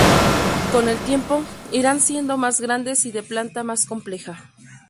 Con el tiempo, irán siendo más grandes y de planta más compleja.